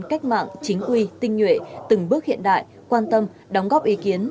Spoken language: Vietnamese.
cách mạng chính quy tinh nhuệ từng bước hiện đại quan tâm đóng góp ý kiến